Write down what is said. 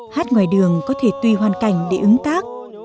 hát ngoài đường có thể tùy hoàn cảnh để ứng tác